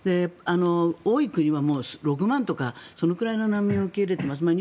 多い国は６万とかそのくらいの難民を受け入れています。